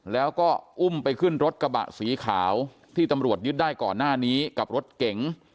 แล้วก็อุ้มไปขึ้นรถกระบะสีขาวที่ตำรวจยึดได้ก่อนหน้านี้กับรถเก๋ง